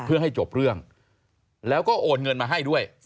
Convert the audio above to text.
เพื่อให้จบเรื่องแล้วก็โอนเงินมาให้ด้วย